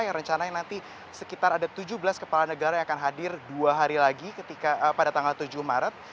yang rencananya nanti sekitar ada tujuh belas kepala negara yang akan hadir dua hari lagi pada tanggal tujuh maret